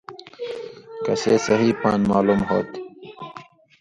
کسے سہی پان٘د معلوم ہو تھی: